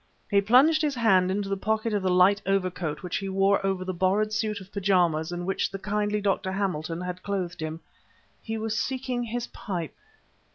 He plunged his hand into the pocket of the light overcoat which he wore over the borrowed suit of pyjamas in which the kindly Dr. Hamilton had clothed him. He was seeking his pipe!